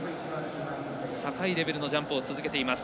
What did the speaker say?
高いレベルのジャンプを続けています。